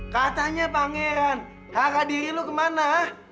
katanya pangeran harap diri lo kemana